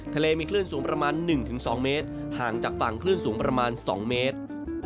ทะเลมีคลื่นสูงประมาณ๑๒เมตรห่างจากฝั่งคลื่นสูงประมาณ๒เมตร